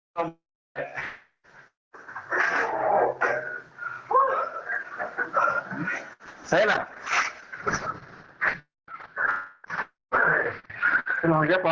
ฉันควรสู้ว่า